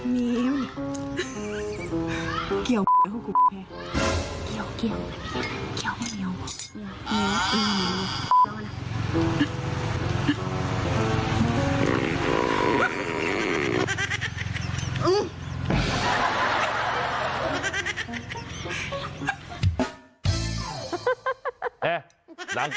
เพลง